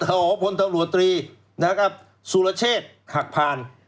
โอ้โหพลธรรวตรีนะครับสุรเชษฐ์หักพาน